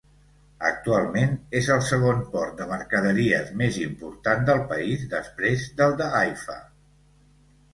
Actualment és el segon port de mercaderies més important del país després del de Haifa.